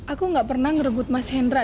aku gak pernah ngerebut mas hendra